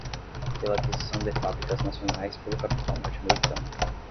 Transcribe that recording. pela aquisição de fábricas nacionais pelo capital norte-americano